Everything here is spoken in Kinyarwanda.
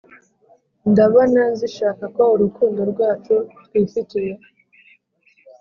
ndabona zishaka ko urukundo rwacu twifitiye